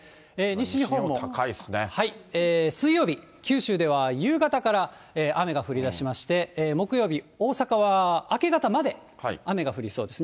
水曜日、九州では夕方から雨が降りだしまして、木曜日、大阪は明け方まで雨が降りそうです。